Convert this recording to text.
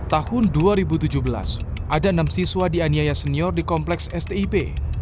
tahun dua ribu tujuh belas ada enam siswa dianiaya senior di kompleks stip